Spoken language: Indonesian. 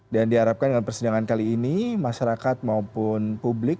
dan diharapkan dengan persidangan kali ini masyarakat maupun publik